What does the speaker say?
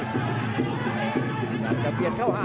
นะครับพี่เจมส์อย่างก็พยายามจะเปลี่ยนเข้าหา